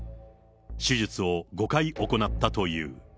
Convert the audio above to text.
手術を５回行ったという。